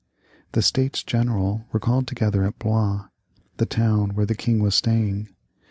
The States General were called together at Blois, the town were the king was staying.